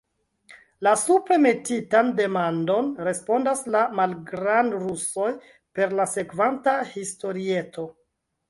La supre metitan demandon respondas la malgrand'rusoj per la sekvanta historieto.